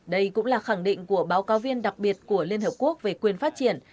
đây cũng là khẳng định của báo cáo viên đặc biệt của liên hợp quốc về quyền phát triển